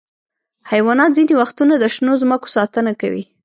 حیوانات ځینې وختونه د شنو ځمکو ساتنه کوي.